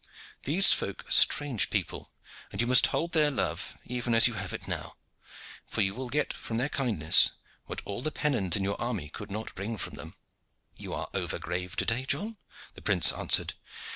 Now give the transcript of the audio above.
These folk are strange people, and you must hold their love, even as you have it now, for you will get from their kindness what all the pennons in your army could not wring from them." "You are over grave to day, John," the prince answered.